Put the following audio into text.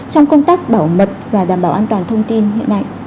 trong công tác bảo mật và đảm bảo an toàn thông tin hiện nay